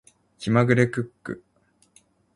気まぐれクック